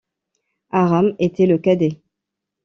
Aram était le cadet.